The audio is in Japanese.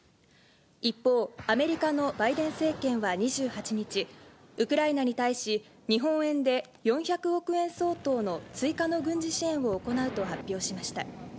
一方、アメリカのバイデン政権は２８日、ウクライナに対し、日本円で４００億円相当の追加の軍事支援を行うと発表しました。